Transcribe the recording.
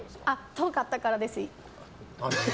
遠かったからです。